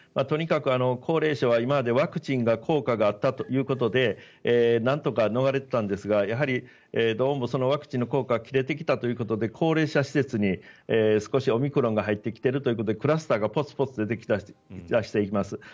とにかく高齢者は今までワクチンが効果があったということでなんとか逃れてたんですがどうもそのワクチンの効果が切れてきたということで高齢者施設に少しオミクロンが入ってきているということでクラスターがポツポツ出てき出しています。